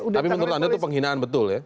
tapi menurut anda itu penghinaan betul ya